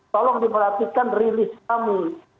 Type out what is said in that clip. tolong diperhatikan rilis kami